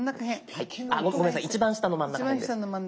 あっごめんなさい一番下の真ん中へんです。